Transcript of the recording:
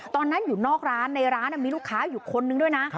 ตอนนั้นอยู่นอกร้านในร้านมีลูกค้าอยู่คนนึงด้วยนะ